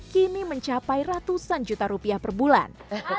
kini mencapai ratusan juta rupiah perbulan